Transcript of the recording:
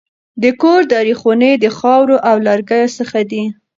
د کور درې خونې د خاورو او لرګیو څخه دي.